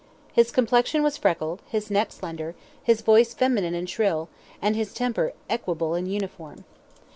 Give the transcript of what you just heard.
His complexion was freckled, his neck slender, his voice feminine and shrill, and his temper equable and uniform.